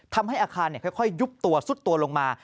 ทำให้อาคารค่อยยุบตัวซุดตัวลงมา